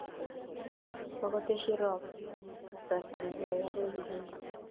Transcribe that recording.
Kokotyenis Rop eng' kasarta ne koy akoi nguni.